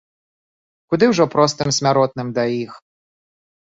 Куды ўжо простым смяротным да іх!